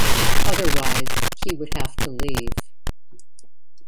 Otherwise, he would have to leave.